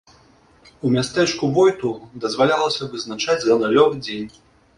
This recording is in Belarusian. У мястэчку войту дазвалялася вызначаць гандлёвы дзень.